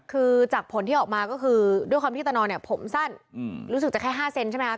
คือจากผลที่ออกมาก็คือด้วยความที่ตานอนเนี่ยผมสั้นรู้สึกจะแค่๕เซนใช่ไหมครับ